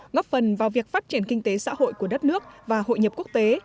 ngấp phần vào việc phát triển kinh tế xã hội của đất nước và hội nhập quốc tế